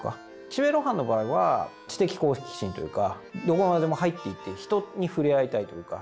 岸辺露伴の場合は知的好奇心というかどこまでも入っていって人に触れ合いたいというか。